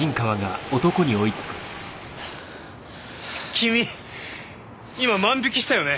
君今万引きしたよね。